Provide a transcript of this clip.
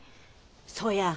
そや。